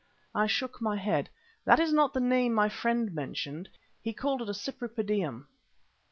I shook my head. "That's not the name my friend mentioned. He called it a Cypripedium."